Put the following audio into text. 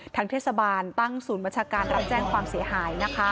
ทางเทศบาลตั้งศูนย์บัญชาการรับแจ้งความเสียหายนะคะ